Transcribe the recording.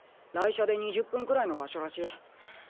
雷車で２０分くらいの場所らしい。